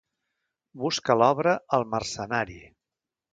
Busca l'obra El mercenari.